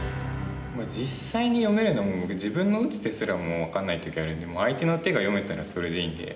実際に読めるのも僕自分の打つ手すらも分かんない時があるんで相手の手が読めたらそれでいいんで。